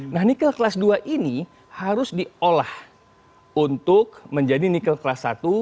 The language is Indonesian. nah nikel kelas dua ini harus diolah untuk menjadi nikel kelas satu